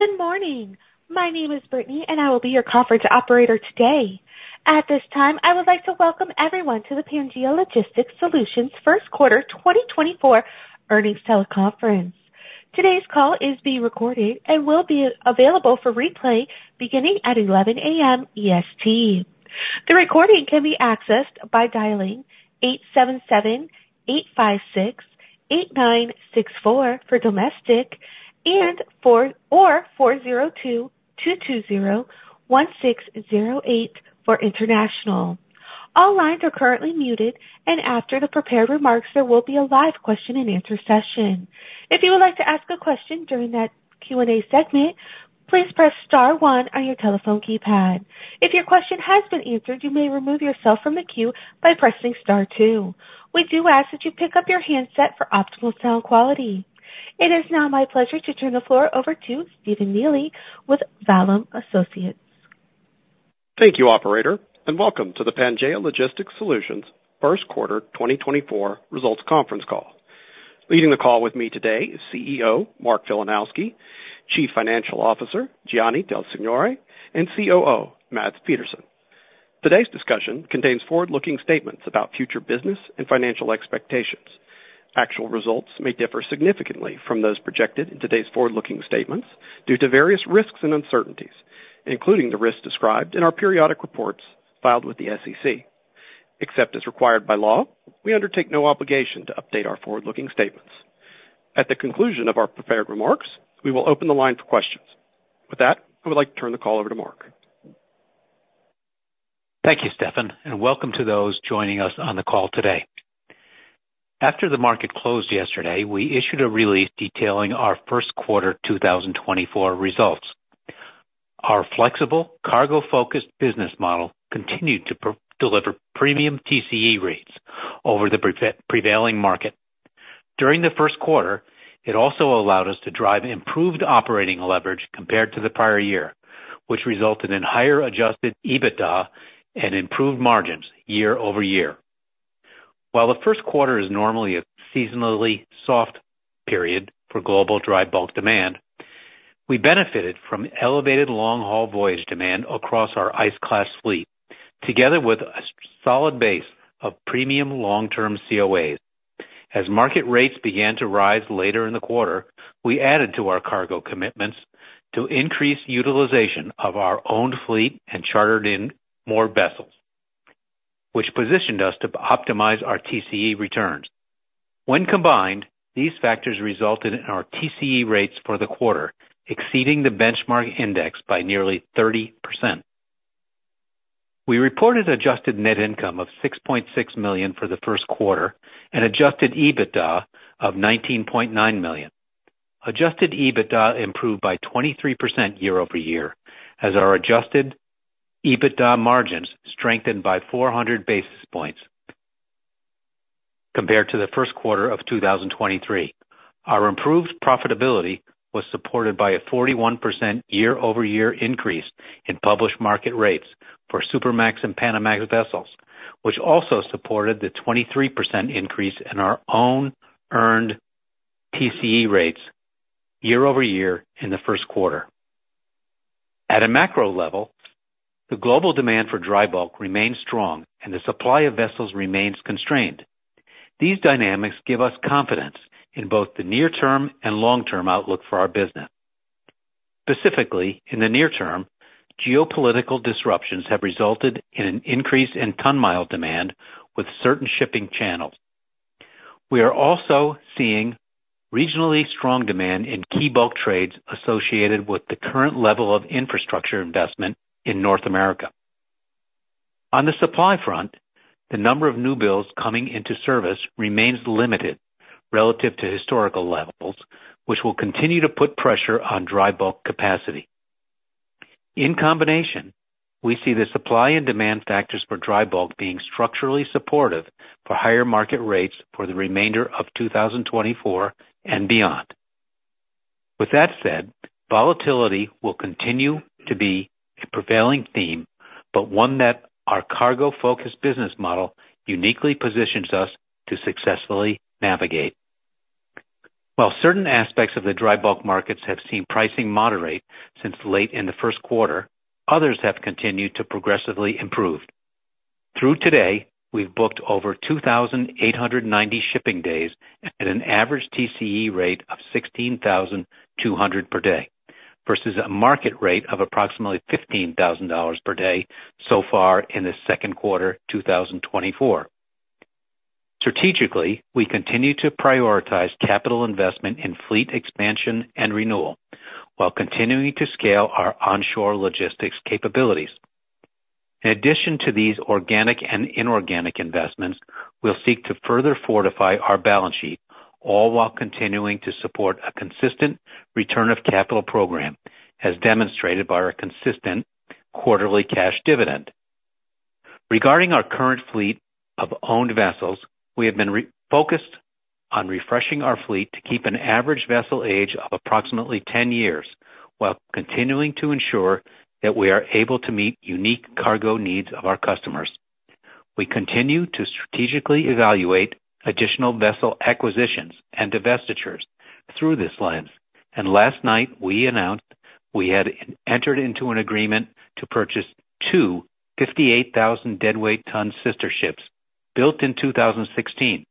Good morning. My name is Brittany, and I will be your conference operator today. At this time, I would like to welcome everyone to the Pangaea Logistics Solutions First Quarter 2024 Earnings Teleconference. Today's call is being recorded and will be available for replay beginning at 11:00 A.M. EST. The recording can be accessed by dialing 877-856-8964 for domestic and 402-220-1608 for international. All lines are currently muted, and after the prepared remarks, there will be a live question-and-answer session. If you would like to ask a question during that Q&A segment, please press star one on your telephone keypad. If your question has been answered, you may remove yourself from the queue by pressing star two. We do ask that you pick up your handset for optimal sound quality. It is now my pleasure to turn the floor over to Stefan Neely with Vallum Advisors. Thank you, operator, and welcome to the Pangaea Logistics Solutions First Quarter 2024 Results Conference Call. Leading the call with me today is CEO Mark Filanowski, Chief Financial Officer Gianni Del Signore, and COO Mads Petersen. Today's discussion contains forward-looking statements about future business and financial expectations. Actual results may differ significantly from those projected in today's forward-looking statements due to various risks and uncertainties, including the risks described in our periodic reports filed with the SEC. Except as required by law, we undertake no obligation to update our forward-looking statements. At the conclusion of our prepared remarks, we will open the line for questions. With that, I would like to turn the call over to Mark. Thank you, Stefan, and welcome to those joining us on the call today. After the market closed yesterday, we issued a release detailing our first quarter 2024 results. Our flexible, cargo-focused business model continued to deliver premium TCE rates over the prevailing market. During the first quarter, it also allowed us to drive improved operating leverage compared to the prior year, which resulted in higher adjusted EBITDA and improved margins year-over-year. While the first quarter is normally a seasonally soft period for global dry bulk demand, we benefited from elevated long-haul voyage demand across our ice-class fleet, together with a solid base of premium long-term COAs. As market rates began to rise later in the quarter, we added to our cargo commitments to increase utilization of our own fleet and chartered in more vessels, which positioned us to optimize our TCE returns. When combined, these factors resulted in our TCE rates for the quarter exceeding the benchmark index by nearly 30%. We reported adjusted net income of $6.6 million for the first quarter and adjusted EBITDA of $19.9 million. Adjusted EBITDA improved by 23% year-over-year, as our adjusted EBITDA margins strengthened by 400 basis points compared to the first quarter of 2023. Our improved profitability was supported by a 41% year-over-year increase in published market rates for Supramax and Panamax vessels, which also supported the 23% increase in our own earned TCE rates year-over-year in the first quarter. At a macro level, the global demand for dry bulk remains strong and the supply of vessels remains constrained. These dynamics give us confidence in both the near-term and long-term outlook for our business. Specifically, in the near term, geopolitical disruptions have resulted in an increase in ton mile demand with certain shipping channels. We are also seeing regionally strong demand in key bulk trades associated with the current level of infrastructure investment in North America. On the supply front, the number of new builds coming into service remains limited relative to historical levels, which will continue to put pressure on dry bulk capacity. In combination, we see the supply and demand factors for dry bulk being structurally supportive for higher market rates for the remainder of 2024 and beyond. With that said, volatility will continue to be a prevailing theme, but one that our cargo-focused business model uniquely positions us to successfully navigate. While certain aspects of the dry bulk markets have seen pricing moderate since late in the first quarter, others have continued to progressively improve. Through today, we've booked over 2,890 shipping days at an average TCE rate of $16,200 per day, versus a market rate of approximately $15,000 per day so far in the second quarter, 2024. Strategically, we continue to prioritize capital investment in fleet expansion and renewal, while continuing to scale our onshore logistics capabilities. In addition to these organic and inorganic investments, we'll seek to further fortify our balance sheet, all while continuing to support a consistent return of capital program, as demonstrated by our consistent quarterly cash dividend. Regarding our current fleet of owned vessels, we have been re-focused on refreshing our fleet to keep an average vessel age of approximately 10 years, while continuing to ensure that we are able to meet unique cargo needs of our customers.... We continue to strategically evaluate additional vessel acquisitions and divestitures through this lens. And last night, we announced we had entered into an agreement to purchase two 58,000 deadweight ton sister ships built in 2016.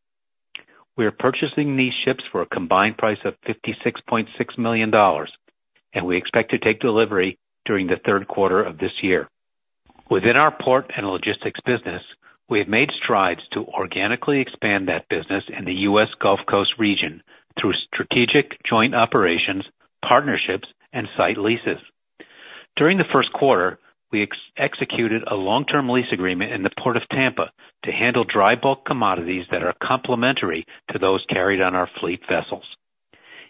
We are purchasing these ships for a combined price of $56.6 million, and we expect to take delivery during the third quarter of this year. Within our port and logistics business, we have made strides to organically expand that business in the U.S. Gulf Coast region through strategic joint operations, partnerships, and site leases. During the first quarter, we executed a long-term lease agreement in The Port of Tampa to handle dry bulk commodities that are complementary to those carried on our fleet vessels.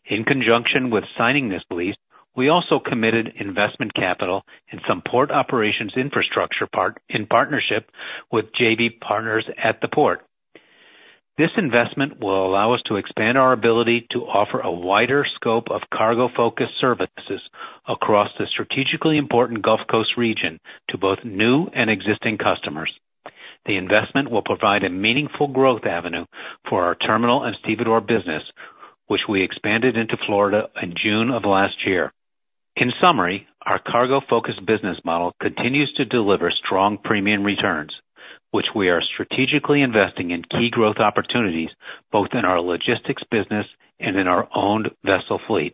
In conjunction with signing this lease, we also committed investment capital in some port operations infrastructure part, in partnership with JV partners at the port. This investment will allow us to expand our ability to offer a wider scope of cargo-focused services across the strategically important Gulf Coast region to both new and existing customers. The investment will provide a meaningful growth avenue for our terminal and stevedore business, which we expanded into Florida in June of last year. In summary, our cargo-focused business model continues to deliver strong premium returns, which we are strategically investing in key growth opportunities, both in our logistics business and in our owned vessel fleet.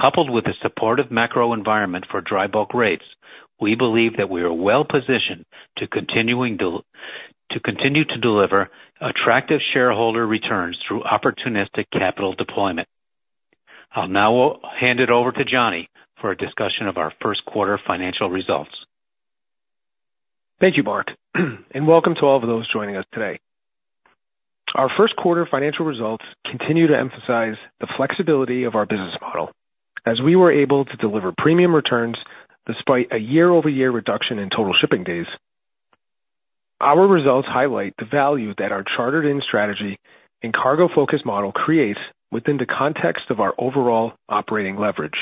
Coupled with the supportive macro environment for dry bulk rates, we believe that we are well positioned to continue to deliver attractive shareholder returns through opportunistic capital deployment. I'll now hand it over to Gianni for a discussion of our first quarter financial results. Thank you, Mark, and welcome to all of those joining us today. Our first quarter financial results continue to emphasize the flexibility of our business model as we were able to deliver premium returns despite a year-over-year reduction in total shipping days. Our results highlight the value that our chartered-in strategy and cargo-focused model creates within the context of our overall operating leverage.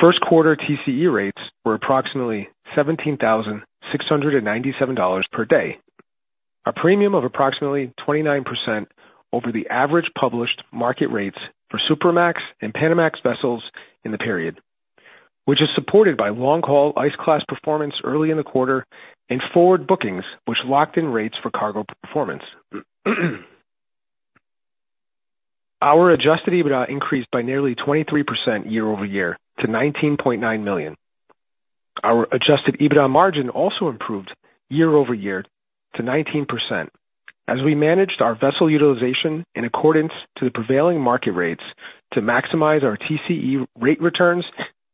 First quarter TCE rates were approximately $17,697 per day, a premium of approximately 29% over the average published market rates for Supramax and Panamax vessels in the period, which is supported by long-haul ice-class performance early in the quarter and forward bookings, which locked in rates for cargo performance. Our adjusted EBITDA increased by nearly 23% year-over-year to $19.9 million. Our adjusted EBITDA margin also improved year-over-year to 19% as we managed our vessel utilization in accordance to the prevailing market rates to maximize our TCE rate returns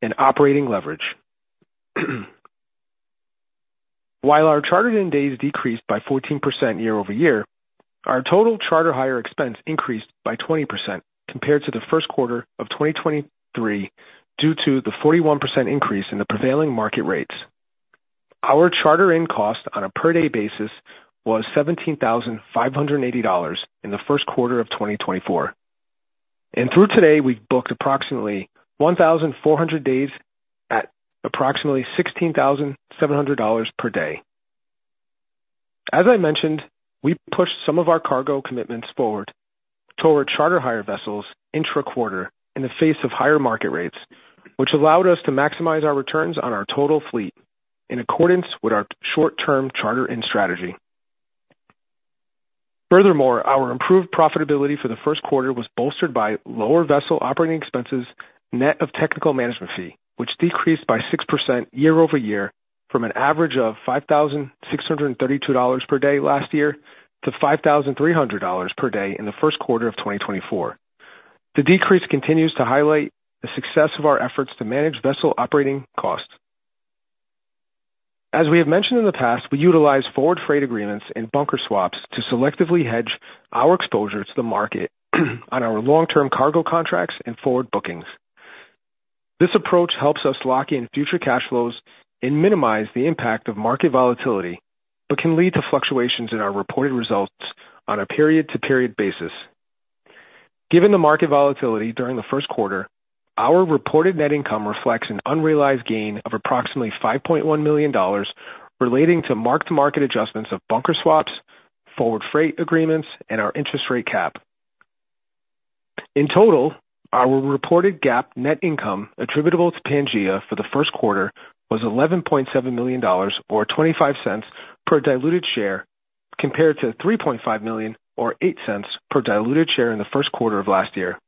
and operating leverage. While our chartered-in days decreased by 14% year-over-year, our total charter hire expense increased by 20% compared to the first quarter of 2023, due to the 41% increase in the prevailing market rates. Our charter-in cost on a per-day basis was $17,580 in the first quarter of 2024. Through today, we've booked approximately 1,400 days at approximately $16,700 per day. As I mentioned, we pushed some of our cargo commitments forward toward charter hire vessels intra-quarter in the face of higher market rates, which allowed us to maximize our returns on our total fleet in accordance with our short-term charter and strategy. Furthermore, our improved profitability for the first quarter was bolstered by lower vessel operating expenses, net of technical management fee, which decreased by 6% year-over-year from an average of $5,632 per day last year to $5,300 per day in the first quarter of 2024. The decrease continues to highlight the success of our efforts to manage vessel operating costs. As we have mentioned in the past, we utilize forward freight agreements and bunker swaps to selectively hedge our exposure to the market, on our long-term cargo contracts and forward bookings. This approach helps us lock in future cash flows and minimize the impact of market volatility, but can lead to fluctuations in our reported results on a period-to-period basis. Given the market volatility during the first quarter, our reported net income reflects an unrealized gain of approximately $5.1 million relating to mark-to-market adjustments of bunker swaps, forward freight agreements, and our interest rate cap. In total, our reported GAAP net income attributable to Pangaea for the first quarter was $11.7 million, or $0.25 per diluted share, compared to $3.5 million, or $0.08 per diluted share in the first quarter of last year.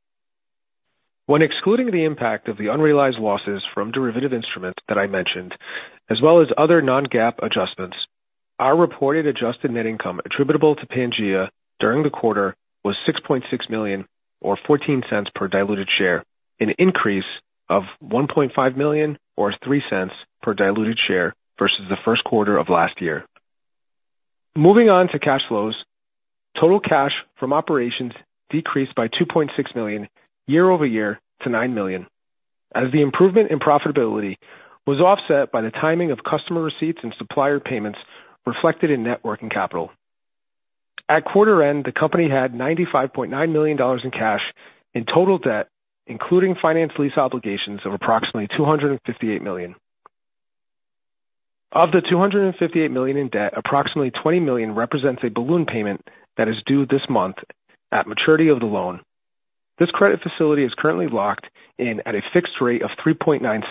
When excluding the impact of the unrealized losses from derivative instruments that I mentioned, as well as other non-GAAP adjustments, our reported adjusted net income attributable to Pangaea during the quarter was $6.6 million or $0.14 per diluted share, an increase of $1.5 million or $0.03 per diluted share versus the first quarter of last year. Moving on to cash flows. Total cash from operations decreased by $2.6 million year-over-year to $9 million, as the improvement in profitability was offset by the timing of customer receipts and supplier payments reflected in net working capital.... At quarter end, the company had $95.9 million in cash and total debt, including finance lease obligations of approximately $258 million. Of the $258 million in debt, approximately $20 million represents a balloon payment that is due this month at maturity of the loan. This credit facility is currently locked in at a fixed rate of 3.96%.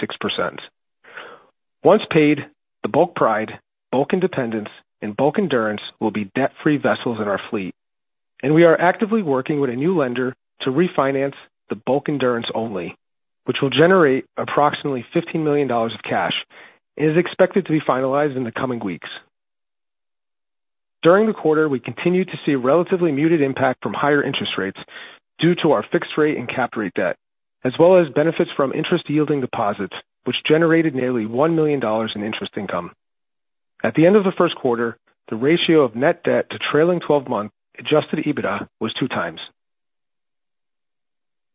Once paid, the Bulk Pride, Bulk Independence and Bulk Endurance will be debt-free vessels in our fleet, and we are actively working with a new lender to refinance the Bulk Endurance only, which will generate approximately $15 million of cash and is expected to be finalized in the coming weeks. During the quarter, we continued to see a relatively muted impact from higher interest rates due to our fixed rate and cap rate debt, as well as benefits from interest yielding deposits, which generated nearly $1 million in interest income. At the end of the first quarter, the ratio of net debt to trailing 12 month adjusted EBITDA was 2x.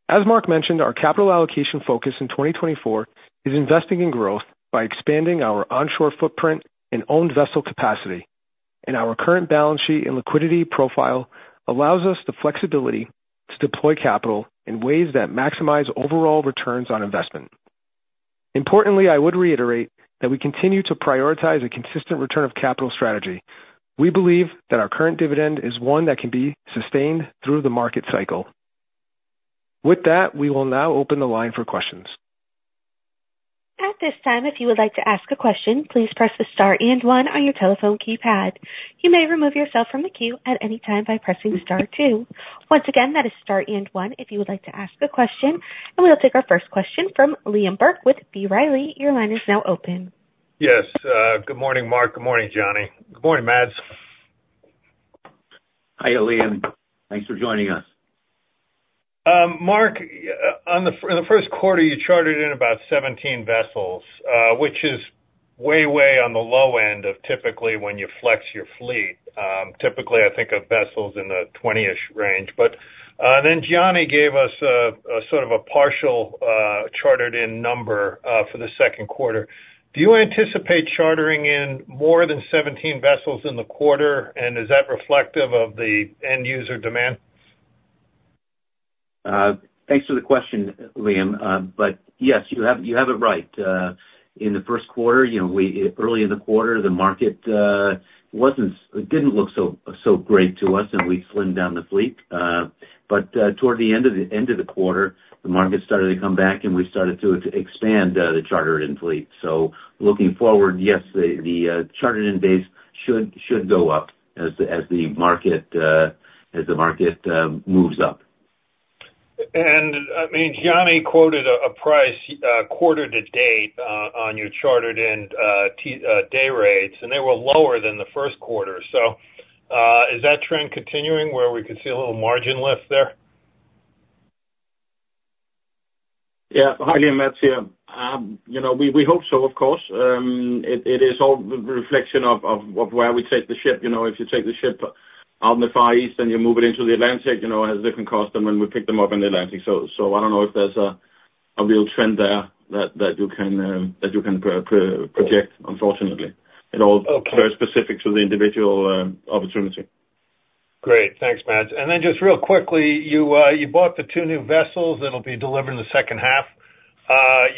As Mark mentioned, our capital allocation focus in 2024 is investing in growth by expanding our onshore footprint and owned vessel capacity. Our current balance sheet and liquidity profile allows us the flexibility to deploy capital in ways that maximize overall returns on investment. Importantly, I would reiterate that we continue to prioritize a consistent return of capital strategy. We believe that our current dividend is one that can be sustained through the market cycle. With that, we will now open the line for questions. At this time, if you would like to ask a question, please press star and one on your telephone keypad. You may remove yourself from the queue at any time by pressing star two. Once again, that is star and one if you would like to ask a question. We'll take our first question from Liam Burke with B. Riley. Your line is now open. Yes, good morning, Mark. Good morning, Gianni. Good morning, Mads. Hi, Liam. Thanks for joining us. Mark, in the first quarter, you chartered in about 17 vessels, which is way, way on the low end of typically when you flex your fleet. Typically, I think of vessels in the 20-ish range. But then Gianni gave us a sort of partial chartered-in number for the second quarter. Do you anticipate chartering in more than 17 vessels in the quarter, and is that reflective of the end user demand? Thanks for the question, Liam. But yes, you have, you have it right. In the first quarter, you know, we early in the quarter, the market didn't look so great to us, and we slimmed down the fleet. But toward the end of the quarter, the market started to come back, and we started to expand the chartered-in fleet. So looking forward, yes, the chartered-in base should go up as the market moves up. I mean, Gianni quoted a price quarter to date on your chartered in day rates, and they were lower than the first quarter. So, is that trend continuing where we could see a little margin lift there? Yeah. Hi, Liam, Mads here. You know, we hope so, of course. It is all reflection of where we take the ship. You know, if you take the ship out in the Far East and you move it into the Atlantic, you know, it has a different cost than when we pick them up in the Atlantic. So I don't know if there's a real trend there that you can project, unfortunately. Okay. It's all very specific to the individual opportunity. Great. Thanks, Mads. And then just real quickly, you bought the two new vessels that'll be delivered in the second half.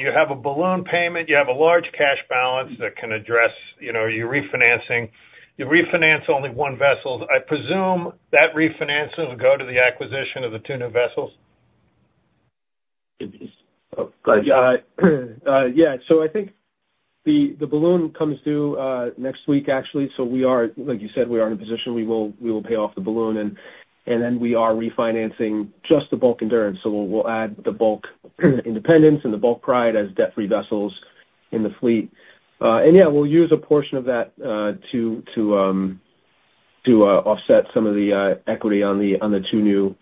You have a balloon payment, you have a large cash balance that can address, you know, your refinancing. You refinance only one vessel. I presume that refinancing will go to the acquisition of the two new vessels? Yeah, so I think the balloon comes due next week, actually. So we are, like you said, we are in a position, we will pay off the balloon and then we are refinancing just the Bulk Endurance. So we'll add the Bulk Independence and the Bulk Pride as debt-free vessels in the fleet. And yeah, we'll use a portion of that to offset some of the equity on the two new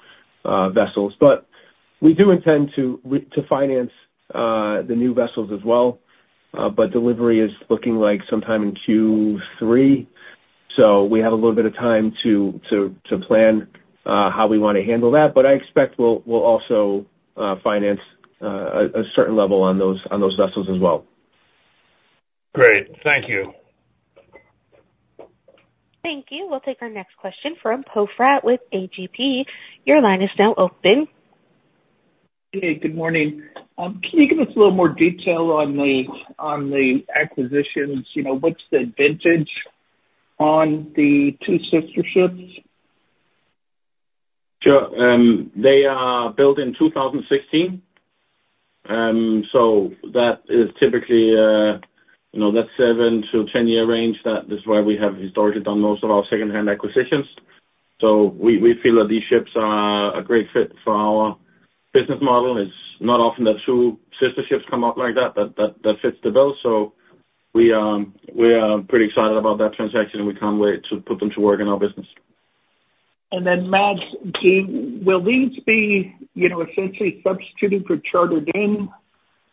vessels. But we do intend to refinance the new vessels as well. But delivery is looking like sometime in Q3, so we have a little bit of time to plan how we want to handle that. But I expect we'll also finance a certain level on those vessels as well. Great. Thank you. Thank you. We'll take our next question from Poe Fratt with AGP. Your line is now open. Hey, good morning. Can you give us a little more detail on the acquisitions? You know, what's the vintage on the two sister ships? Sure. They are built in 2016. So that is typically, you know, that 7-10-year range, that is where we have historically done most of our secondhand acquisitions. So we, we feel that these ships are a great fit for our business model. It's not often that two sister ships come up like that, that, that, that fits the bill. So we are, we are pretty excited about that transaction, and we can't wait to put them to work in our business. Mads, will these be, you know, essentially substituted for chartered in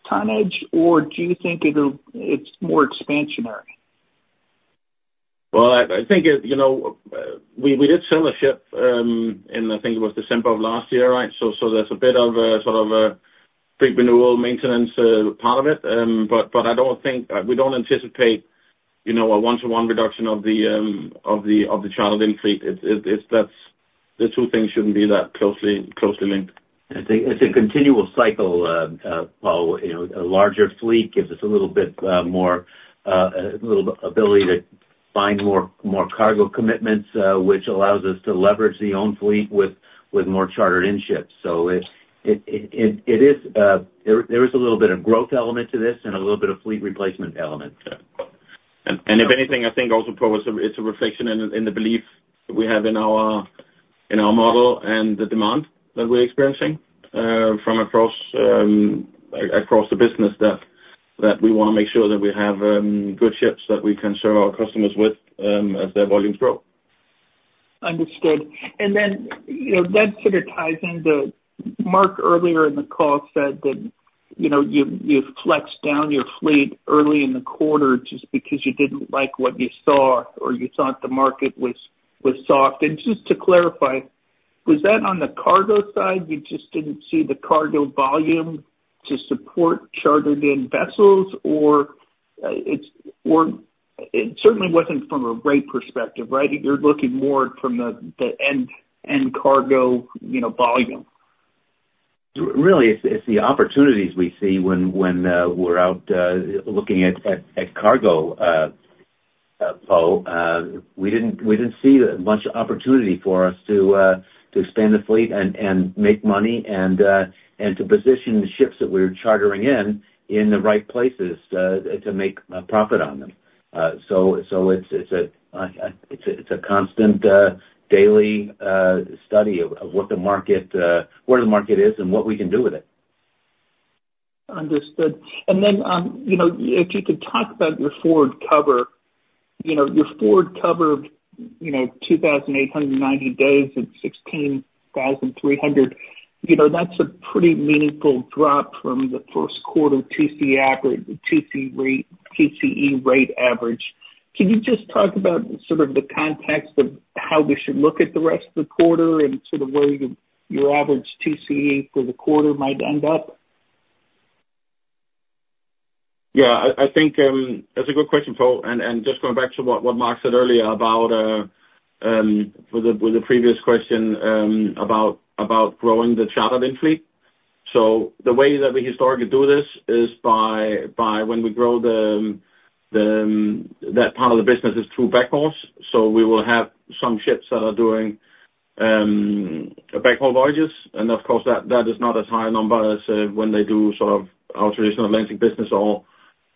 tonnage, or do you think it'll, it's more expansionary? Well, I think it... You know, we did sell a ship in, I think it was December of last year, right? So there's a bit of a, sort of a... fleet renewal maintenance part of it. But I don't think we don't anticipate, you know, a one-to-one reduction of the chartered-in fleet. It's that the two things shouldn't be that closely linked. It's a continual cycle, Poe. You know, a larger fleet gives us a little bit more, a little ability to find more cargo commitments, which allows us to leverage our own fleet with more chartered-in ships. So it is, there is a little bit of growth element to this and a little bit of fleet replacement element, so. If anything, I think also, Poe, it's a reflection in the belief we have in our model and the demand that we're experiencing from across the business, that we wanna make sure that we have good ships that we can serve our customers with as their volumes grow. Understood. And then, you know, that sort of ties into Mark earlier in the call said that, you know, you, you've flexed down your fleet early in the quarter just because you didn't like what you saw or you thought the market was soft. And just to clarify, was that on the cargo side, you just didn't see the cargo volume to support chartered-in vessels? Or it certainly wasn't from a rate perspective, right? You're looking more from the end cargo, you know, volume. Really, it's the opportunities we see when we're out looking at cargo, Poe. We didn't see a bunch of opportunity for us to expand the fleet and make money and to position the ships that we're chartering in the right places to make a profit on them. So it's a constant daily study of what the market, where the market is and what we can do with it. Understood. And then, you know, if you could talk about your forward cover. You know, your forward cover, you know, 2,890 days and 16,300, you know, that's a pretty meaningful drop from the first quarter TCE average, TCE rate, TCE rate average. Can you just talk about sort of the context of how we should look at the rest of the quarter and sort of where your, your average TCE for the quarter might end up? Yeah, I, I think, that's a good question, Poe, and, and just going back to what, what Mark said earlier about, with the, with the previous question, about, about growing the chartered-in fleet. So the way that we historically do this is by, by when we grow the, the. That part of the business is through backhauls. So we will have some ships that are doing, backhaul voyages, and of course, that, that is not as high a number as, when they do sort of our traditional lending business or,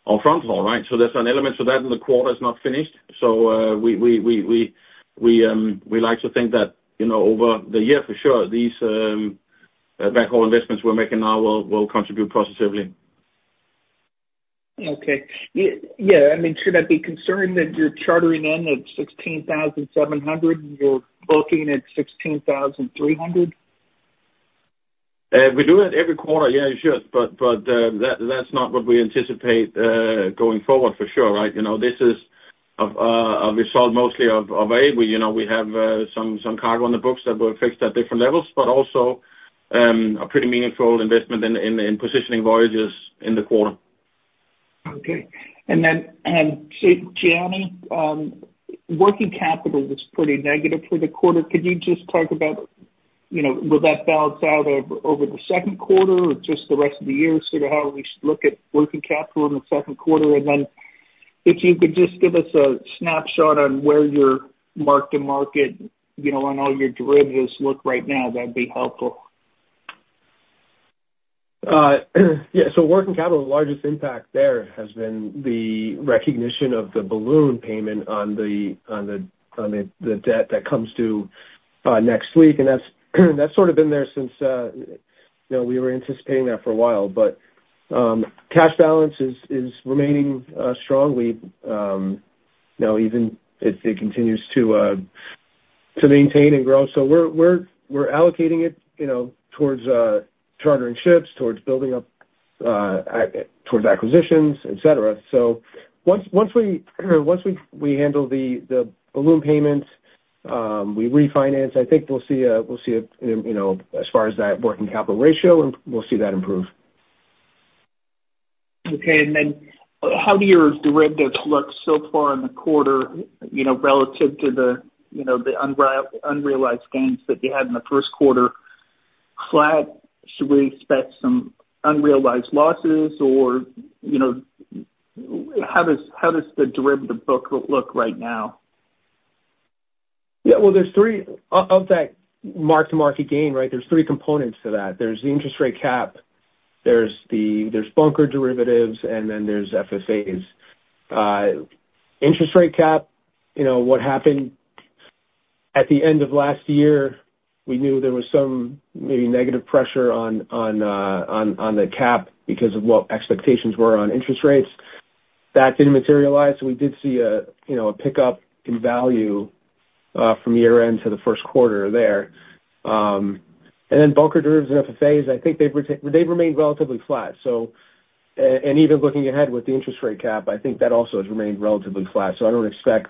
or front haul, right? So there's an element to that, and the quarter is not finished. So, we, we, we, we, we, we like to think that, you know, over the year, for sure, these, backhaul investments we're making now will, will contribute positively. Okay. Yeah, I mean, should I be concerned that you're chartering in at $16,700 and you're booking at $16,300? We do it every quarter. Yeah, you should, but, but, that's not what we anticipate going forward for sure, right? You know, this is a result mostly of April. You know, we have some cargo on the books that were fixed at different levels, but also a pretty meaningful investment in positioning voyages in the quarter. Okay. And then, and so Gianni, working capital was pretty negative for the quarter. Could you just talk about, you know, will that balance out over the second quarter or just the rest of the year? Sort of how we should look at working capital in the second quarter. And then if you could just give us a snapshot on where your mark-to-market, you know, on all your derivatives look right now, that'd be helpful. Yeah, so working capital, the largest impact there has been the recognition of the balloon payment on the debt that comes due next week. And that's sort of been there since, you know, we were anticipating that for a while. But cash balance is remaining strongly, you know, even as it continues to maintain and grow. So we're allocating it, you know, towards chartering ships, towards building up towards acquisitions, et cetera. So once we handle the balloon payments, we refinance, I think we'll see, you know, as far as that working capital ratio, and we'll see that improve. Okay, and then how do your derivatives look so far in the quarter, you know, relative to the, you know, the unrealized gains that you had in the first quarter? Flat, should we expect some unrealized losses? Or, you know, how does, how does the derivative book look right now? Yeah. Well, there's three components to that mark-to-market gain, right. There's the interest rate cap, there's the bunker derivatives, and then there's FFAs. Interest rate cap, you know, what happened at the end of last year, we knew there was some maybe negative pressure on the cap because of what expectations were on interest rates. That didn't materialize, so we did see a pickup in value, you know, from year-end to the first quarter there. And then bunker derivatives and FFAs, I think they've remained relatively flat. So, and even looking ahead with the interest rate cap, I think that also has remained relatively flat. So I don't expect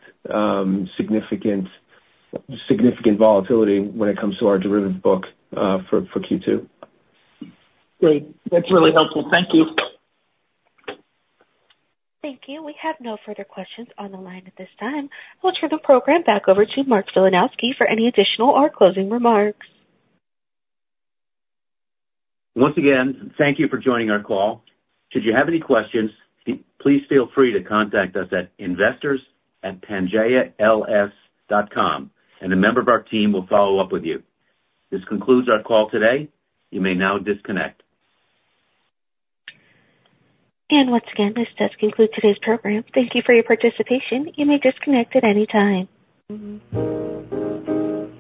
significant volatility when it comes to our derivative book for Q2. Great. That's really helpful. Thank you. Thank you. We have no further questions on the line at this time. I'll turn the program back over to Mark Filanowski for any additional or closing remarks. Once again, thank you for joining our call. Should you have any questions, please feel free to contact us at investors@pangaeals.com, and a member of our team will follow up with you. This concludes our call today. You may now disconnect. Once again, this does conclude today's program. Thank you for your participation. You may disconnect at any time.